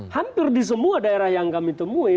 hampir di semua daerah yang kami temui